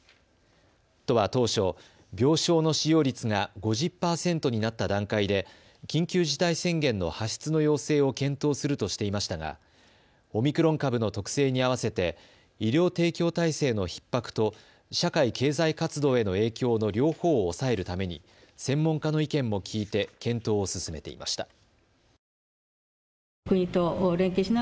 都は当初、病床の使用率が５０％になった段階で緊急事態宣言の発出の要請を検討するとしていましたがオミクロン株の特性に合わせて医療提供体制のひっ迫と社会経済活動への影響の両方を抑えるために専門家の意見も聞いて検討を進めていました。